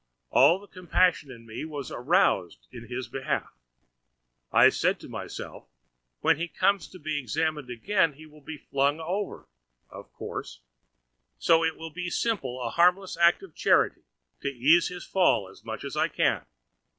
All the compassion in me was aroused in his behalf. I said to myself, when he comes to be examined again, he will be flung over, of course; so it will be simple a harmless act of charity to ease his fall as much as I can.